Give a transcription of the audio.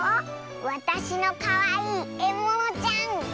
わたしのかわいいえものちゃん。